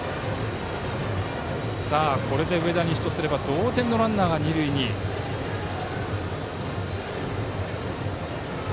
これで上田西とすれば同点のランナーが二塁に進みました。